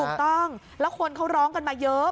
ถูกต้องแล้วคนเขาร้องกันมาเยอะ